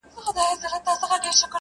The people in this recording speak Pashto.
خره یې وروڼه وه آسونه یې خپلوان وه!